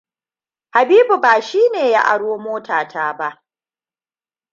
Habibua ba shine ya aro mota ta ba.